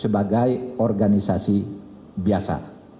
sebagai organisasi biasa